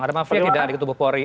ada mafia tidak di ketubuh polri